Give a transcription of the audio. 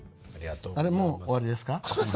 あれもう終わりですか？